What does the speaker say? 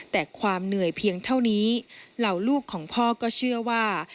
แต่ความเหนื่อยเพียงเท่านี้เหล่าลูกของพ่อก็เชื่อว่า